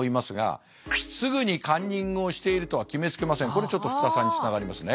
これちょっと福田さんにつながりますね。